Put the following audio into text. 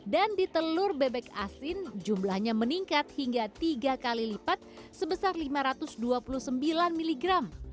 dan di telur bebek asin jumlahnya meningkat hingga tiga kali lipat sebesar lima ratus dua puluh sembilan mg